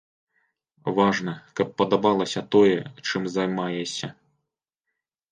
Важна, каб падабалася тое, чым займаешся.